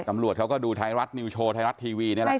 ตำรวจเขาก็ดูไทยรัฐนิวโชว์ไทยรัฐทีวีนี่แหละ